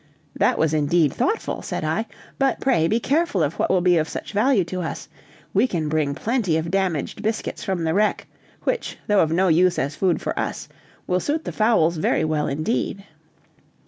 "That was indeed thoughtful," said I; "but pray be careful of what will be of such value to us; we can bring plenty of damaged biscuits from the wreck, which, though of no use as food for us, will suit the fowls very well indeed."